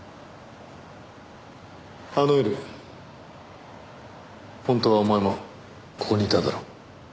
あの夜本当はお前もここにいたんだろ。